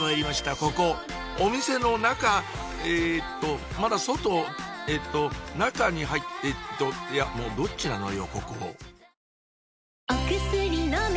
ここお店の中えっとまだ外えっと中に入っえっといやもうどっちなのよ